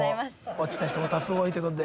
落ちた人も多数多いということで。